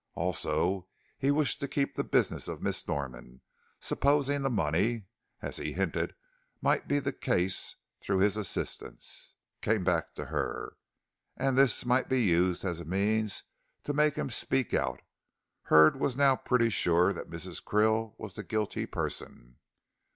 Also, he wished to keep the business of Miss Norman, supposing the money as he hinted might be the case through his assistance came back to her; and this might be used as a means to make him speak out. Hurd was now pretty sure that Mrs. Krill was the guilty person.